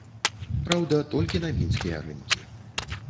Праўда, толькі на мінскія рынкі.